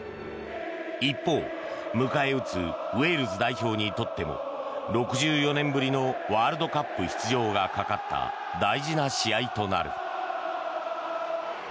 一方、迎え撃つウェールズ代表にとっても６４年ぶりのワールドカップ出場がかかった大事な試合となる。